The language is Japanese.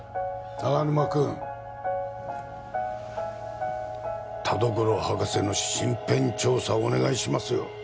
長沼君田所博士の身辺調査をお願いしますよ